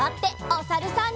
おさるさん。